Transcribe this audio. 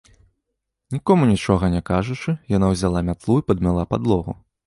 Нікому нічога не кажучы, яна ўзяла мятлу і падмяла падлогу.